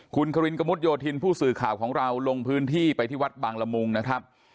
คุณครินกระมุดโยธินผู้สื่อข่าวของเราลงพื้นที่ไปที่วัดบางละมุงนะครับ